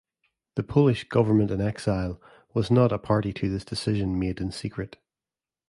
The Polish government-in-exile was not a party to this decision made in secret.